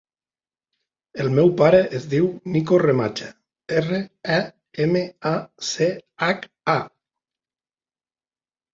El meu pare es diu Niko Remacha: erra, e, ema, a, ce, hac, a.